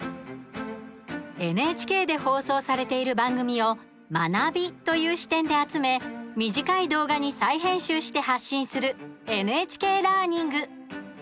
ＮＨＫで放送されている番組を学びという視点で集め短い動画に再編集して発信する「ＮＨＫラーニング」。